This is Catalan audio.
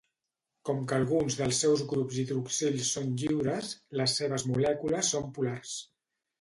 Com que alguns dels seus grups hidroxils són lliures, les seves molècules són polars.